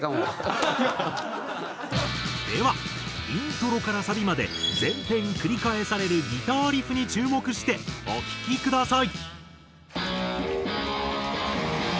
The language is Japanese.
ではイントロからサビまで全編繰り返されるギターリフに注目してお聴きください。